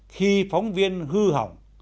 khi phóng viên hư hỏng